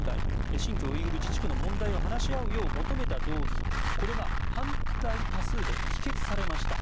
新疆ウイグル自治区の問題を話し合うよう求めた動議、これが反対多数で否決されました。